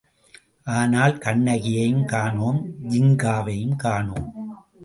ஆனால், கண்ணகியையும் காணோம் ஜின்காவையும் காணோம்!